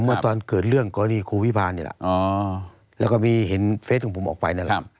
ว่าตอนเกิดเรื่องกรณีครูวิพาณแล้วก็เห็นเฟสของผมออกไป